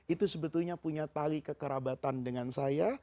itu sebetulnya punya tali kekerabatan dengan saya